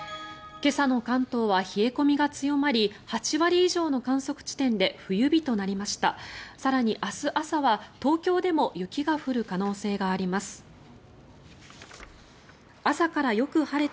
今朝の関東は冷え込みが強まり８割以上の観測地点で冬日となりました。